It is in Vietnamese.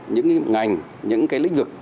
những ngành những cái lĩnh vực